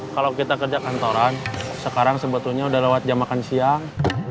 kalau kita kerja kantoran sekarang sebetulnya sudah lewat jam makan siang